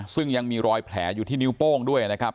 ซึ่งยังมีรอยแผลอยู่ที่นิ้วโป้งด้วยนะครับ